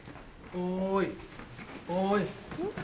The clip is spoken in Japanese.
おい。